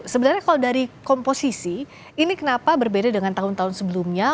sebenarnya kalau dari komposisi ini kenapa berbeda dengan tahun tahun sebelumnya